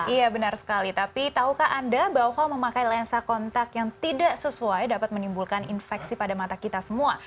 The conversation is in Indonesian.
iya benar sekali tapi tahukah anda bahwa memakai lensa kontak yang tidak sesuai dapat menimbulkan infeksi pada mata kita semua